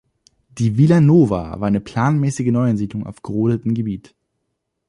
Die "vila nova" war eine planmäßige Neuansiedlung auf gerodeten Gebiet.